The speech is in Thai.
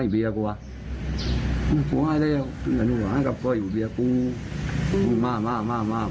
เดี๋ยวไหนเบียร์กว่า